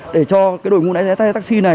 để cho đội ngũ lái xe taxi này